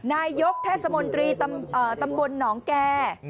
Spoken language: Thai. นายกทัศนมนตรีตำรวจหนองแก